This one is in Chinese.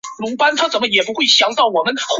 低放射性废物之外所有放射性核废料的总称。